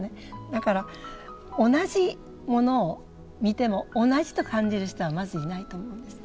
だから同じものを見ても同じと感じる人はまずいないと思うんです。